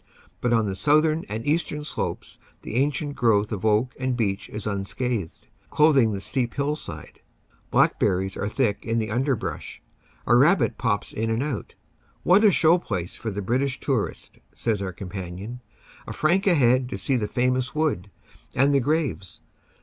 But on the southern and eastern slopes the ancient growth of oak and beech is unscathed, clothing the steep hillside. Black berries are thick in the underbrush. A rabbit pops in and out. "What a show place for the British tourist," says our com panion. "A franc a head to see the famous wood and the graves.